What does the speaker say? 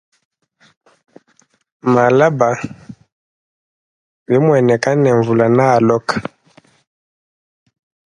Malaba bimuaneka ne mvula ne aloka.